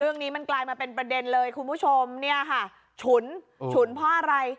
เรื่องนี้มันกลายมาเป็นประเด็นเลยคุณผู้ชมเนี่ยค่ะฉุนฉุนเพราะอะไร